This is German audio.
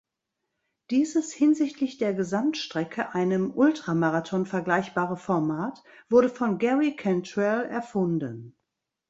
Dieses hinsichtlich der Gesamtstrecke einem Ultramarathon vergleichbare Format wurde von Gary Cantrell erfunden.